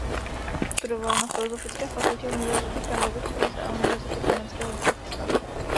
Studoval na filozofické fakultě Univerzity Karlovy v Praze a Univerzity Komenského v Bratislavě.